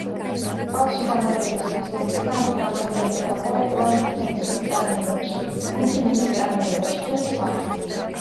წყალში გამაგრების თვისების გამო გამოიყენება პორტლანდცემენტის წარმოებაში, მუქი მინის წარმოებაში და სხვა.